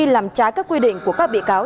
làm trái các quy định của các bị cáo